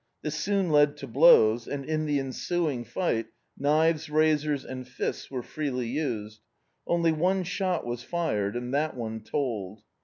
This soon led to blows and in the ensuing fi^t, knives, razors and fists were freely used. Only one shot was fired, and that one told.